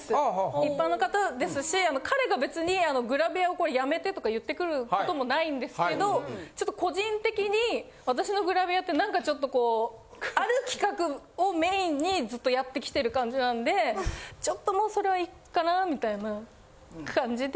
一般の方ですし彼が別にあのグラビアを辞めてとか言ってくることもないんですけどちょっと個人的に私のグラビアって何かちょっとこうある企画をメインにずっとやってきてる感じなんでちょっともうそれはいっかなみたいな感じで。